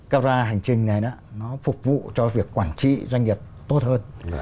các loại hành trình này nó phục vụ cho việc quản trị doanh nghiệp tốt hơn